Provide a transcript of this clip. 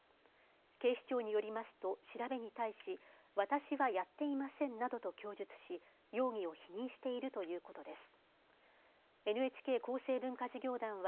警視庁によりますと調べに対し私はやっていませんなどと供述し容疑を否認しているということです。